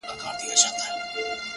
هره ورځ به نه وي غم د اردلیانو.!